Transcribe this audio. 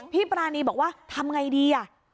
พี่ปรานีบอกว่าทำไงดี